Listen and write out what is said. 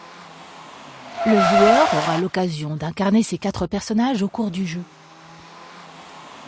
Le joueur aura l'occasion d'incarner ces quatre personnages au cours du jeu.